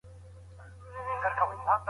ښه ذهنیت فشار نه پیدا کوي.